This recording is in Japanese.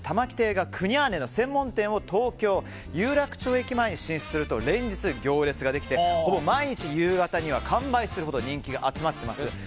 木亭がクニャーネの専門店を東京・有楽町駅前に進出すると、連日行列ができてほぼ毎日夕方には完売するほど人気が集まっています。